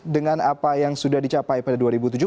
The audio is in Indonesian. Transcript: dengan apa yang sudah dicapai pada dua ribu tujuh belas